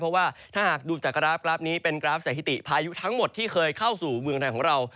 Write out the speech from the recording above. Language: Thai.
เพราะว่าถ้าหากดูจากกราฟนี้เป็นกราฟสถิติพายุทั้งหมดที่เคยเข้าสู่เมืองไทยของเรา